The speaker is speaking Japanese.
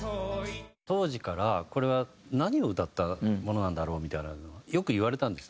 当時からこれは何を歌ったものなんだろうみたいなのはよくいわれたんですね。